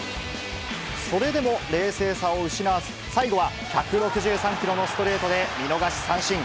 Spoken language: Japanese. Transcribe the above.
それでも冷静さを失わず、最後は１６３キロのストレートで見逃し三振。